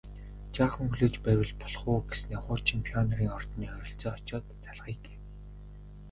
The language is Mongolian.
Жаахан хүлээж байвал болох уу гэснээ хуучин Пионерын ордны ойролцоо очоод залгая гэв